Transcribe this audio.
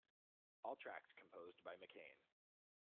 All tracks composed by McCain.